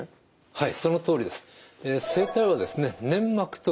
はい。